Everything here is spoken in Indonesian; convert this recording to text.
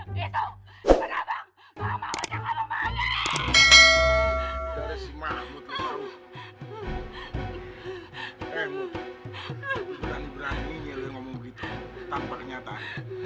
berani berani dia udah ngomong gitu tanpa kenyataan